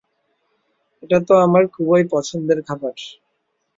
এটা তো আমার খুবই পছন্দের খাবার।